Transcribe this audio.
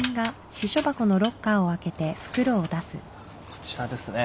こちらですね。